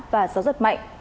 và gió rất mạnh